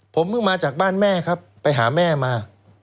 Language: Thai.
ผมเพิ่งมาจากบ้านแม่ครับไปหาแม่มา